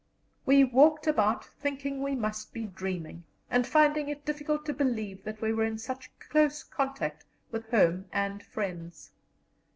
We walked about thinking we must be dreaming, and finding it difficult to believe that we were in such close contact with home and friends.